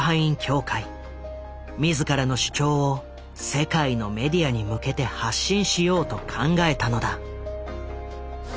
自らの主張を世界のメディアに向けて発信しようと考えたのだ。